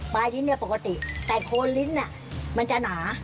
ปลายลิ้นปกติแต่โคลนลิ้นน่ะมันจะหนา